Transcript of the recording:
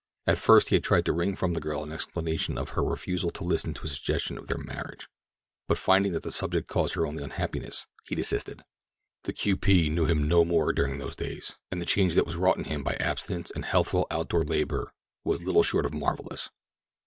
At first he had tried to wring from the girl an explanation of her refusal to listen to a suggestion of their marriage; but finding that the subject caused her only unhappiness, he desisted. The Q. P. knew him no more during these days, and the change that was wrought in him by abstinence and healthful, outdoor labor was little short of marvelous.